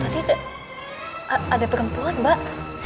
tadi ada perempuan mbak